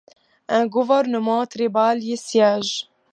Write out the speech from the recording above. Un gouvernement tribal y siège.